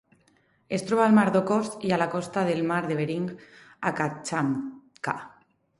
Es troba al Mar d'Okhotsk i a la costa del Mar de Bering a Kamtxatka.